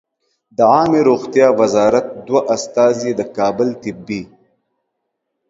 د عامې روغتیا وزارت دوه استازي د کابل طبي